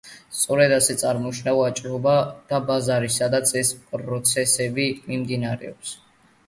სწორედ ასე წარმოიშვა ვაჭრობა და ბაზარი, სადაც ეს პროცესები მიმდინარეობს.